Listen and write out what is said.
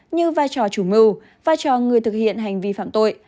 như vai trò chủ mưu vai trò người thực hiện hành vi phạm tội